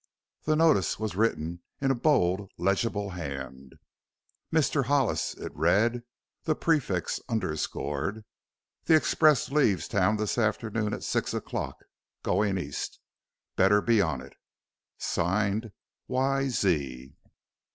The notice was written in a bold, legible hand. "Mr. Hollis:" it read, the prefix under scored "The express leaves town this afternoon at six o'clock goin' east. Better be on it." Signed "Y. Z."